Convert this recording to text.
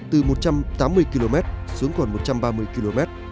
từ một trăm tám mươi km xuống còn một trăm ba mươi km